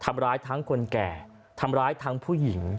ทำร้ายทั้งคนแก่ทำร้ายทั้งผู้หญิง